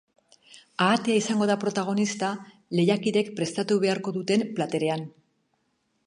Ahatea izango da protagonista lehiakideek prestatu beharko duten platerean.